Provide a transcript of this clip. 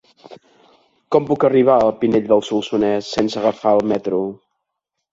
Com puc arribar a Pinell de Solsonès sense agafar el metro?